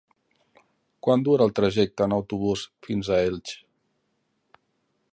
Quant dura el trajecte en autobús fins a Elx?